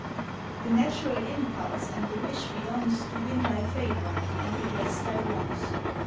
The natural impulse and the wish belongs To win thy favor and redress thy wrongs.